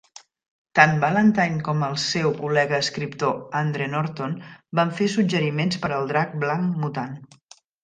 Tant Ballantine com al seu col·lega escriptor Andre Norton van fer suggeriments per al drac blanc mutant.